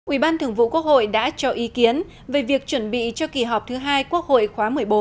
ủy ban thường vụ quốc hội đã cho ý kiến về việc chuẩn bị cho kỳ họp thứ hai quốc hội khóa một mươi bốn